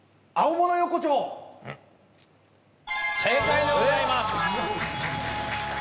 正解でございます！